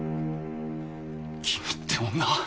君って女は。